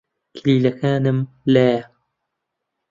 کلیلەکانمم لایە.